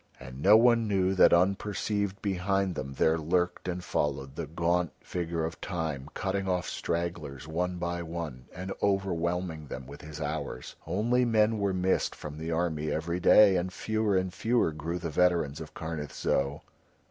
And no one knew that unperceived behind them there lurked and followed the gaunt figure of Time cutting off stragglers one by one and overwhelming them with his hours, only men were missed from the army every day, and fewer and fewer grew the veterans of Karnith Zo.